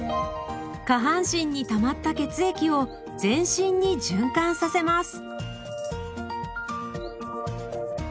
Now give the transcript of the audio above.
下半身にたまった血液を全身に循環させます。